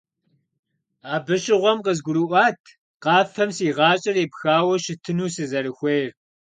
Абы щыгъуэм къызгурыӀуат къафэм си гъащӀэр епхауэ щытыну сызэрыхуейр.